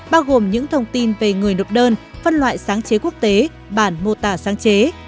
bao gồm những thông tin về người nộp đơn phân loại sáng chế quốc tế bản mô tả sáng chế